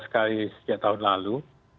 sekali sejak tahun lalu